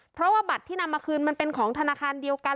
เพราะว่าบัตรที่นำมาคืนมันเป็นของธนาคารเดียวกัน